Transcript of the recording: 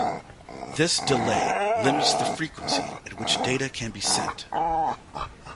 This delay limits the frequency at which data can be sent.